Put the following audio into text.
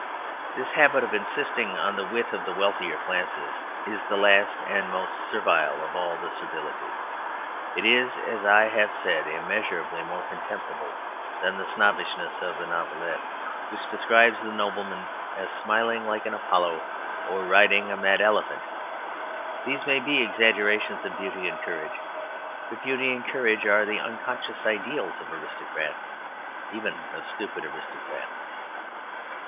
This habit of insisting on the wit of the wealthier classes is the last and most servile of all the servilities. It is, as I have said, immeasurably more contemptible than the snobbishness of the novelette which describes the nobleman as smiling like an Apollo or riding a mad elephant. These may be exaggerations of beauty and courage, but beauty and courage are the unconscious ideals of aristocrats, even of stupid aristocrats.